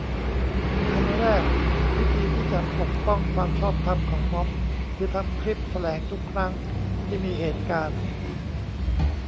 อันแรก วิธีที่จะ ปกป้องความชอบธรรมของม็อบ คือ ทำคลิปแถลงทุกครั้งที่มีเหตุการ